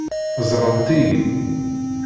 Ẓrant-iyi.